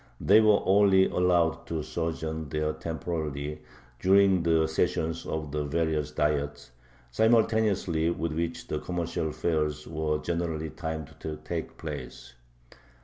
They were only allowed to sojourn there temporarily during the sessions of the various Diets, simultaneously with which the commercial fairs were generally timed to take place.